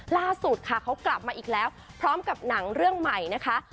ล่าสุดค่ะเขากลับมาอีกแล้วพร้อมกับหนังเรื่องใหม่นะคะ